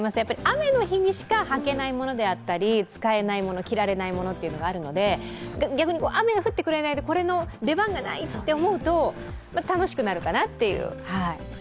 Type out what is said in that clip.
雨の日しか着られないもの使えないもの、着られないものってあるので逆に雨が降ってくれないと、これの出番がないと思うと楽しくなるかなっていう。